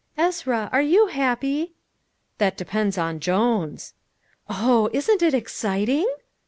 "Ezra, are you happy?" "That depends on Jones." "Oh, isn't it exciting?"